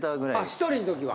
１人の時は？